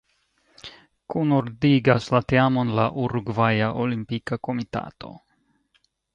Kunordigas la teamon la Urugvaja Olimpika Komitato.